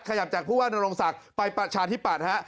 ขยับจากผู้ว่านโรงศักดิ์ไปประชาธิปัตย์ฮะ